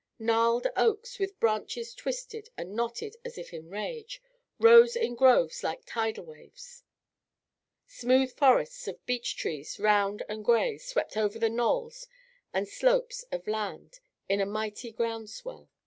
Gnarled oaks, with branches twisted and knotted as if in rage, rose in groves like tidal waves. Smooth forests of beech trees, round and gray, swept over the knolls and slopes of land in a mighty ground swell.